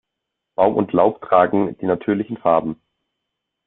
Baum und Laub tragen die natürlichen Farben.